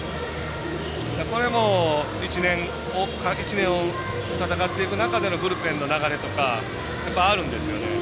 これも１年を戦っていく中でのブルペンの流れとかやっぱり、あるんですよね。